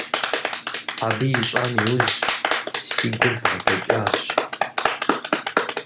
Абы ищӏам иужь си гур бгъэдэкӏащ.